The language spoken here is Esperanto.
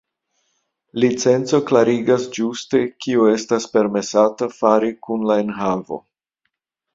Licenco klarigas ĝuste kio estas permesata fari kun la enhavo.